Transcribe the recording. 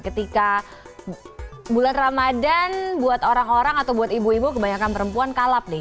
ketika bulan ramadan buat orang orang atau buat ibu ibu kebanyakan perempuan kalap nih